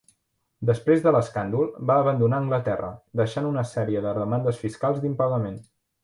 Després de l'escàndol, va abandonar Anglaterra, deixant una sèrie de demandes fiscals d'impagament.